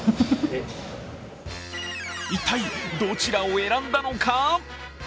一体どちらを選んだのか？